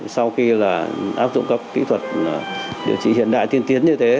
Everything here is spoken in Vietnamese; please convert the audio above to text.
sau khi áp dụng các kỹ thuật điều trị hiện đại tiên tiến như thế